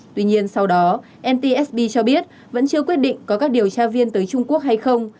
tuy nhiên sau đó ntsb cho biết vẫn chưa quyết định có các điều tra viên tới trung quốc hay không